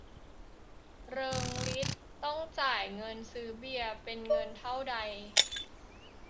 เริงฤทธิ์ต้องจ่ายเงินซื้อเบียร์เป็นเงินเท่าใด